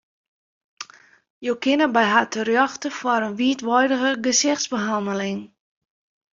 Jo kinne by har terjochte foar in wiidweidige gesichtsbehanneling.